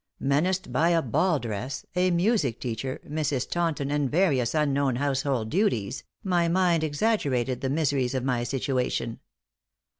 Menaced by a ball dress, a music teacher, Mrs. Taunton and various unknown household duties, my mind exaggerated the miseries of my situation.